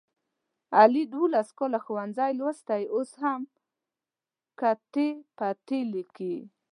علي دوولس کاله ښوونځی لوستی اوس هم کتې پتې لیکي.